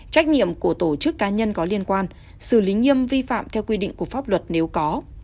trách nhiệm của tổ chức cá nhân có liên quan xử lý nghiêm vi phạm theo quy định của pháp luật nếu có